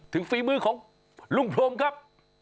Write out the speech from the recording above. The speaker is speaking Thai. ถึงฝีมือของลุงโภมครับ